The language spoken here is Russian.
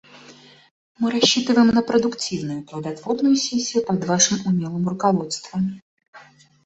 Мы рассчитываем на продуктивную и плодотворную сессию под Вашим умелым руководством.